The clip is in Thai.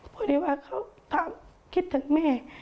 พอดีว่าเขาคิดถึงแม่